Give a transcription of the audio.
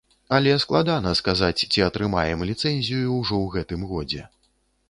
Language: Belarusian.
Але складана сказаць, ці атрымаем ліцэнзію ўжо ў гэтым годзе.